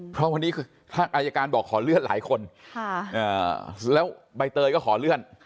เพราะวันนี้ทางอายการบอกขอเลื่อนหลายคนแล้วใบเตยก็ขอเลื่อน